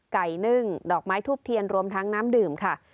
นึ่งดอกไม้ทูบเทียนรวมทั้งน้ำดื่มค่ะ